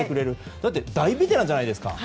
だって大ベテランじゃないですか。